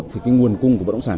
thì nguồn cung của vật động sản